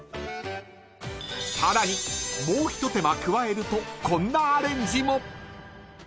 ［さらにもう一手間加えるとこんなアレンジも］